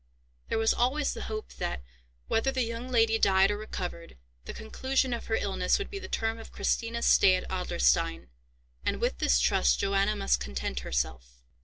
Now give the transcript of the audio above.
There was always the hope that, whether the young lady died or recovered, the conclusion of her illness would be the term of Christina's stay at Adlerstein, and with this trust Johanna must content herself.